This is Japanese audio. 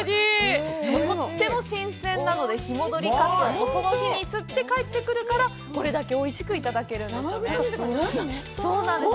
とっても新鮮なので、日戻りカツオ、その日に釣って帰ってくるから、これだけおいしくいただけるんですよね。